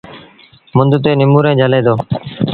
مند تي نموريٚݩ جھلي دو۔